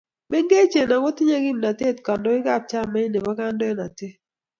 mengechen ako tinyei kimnatet kandoikab chamait ne mabo kandoinatet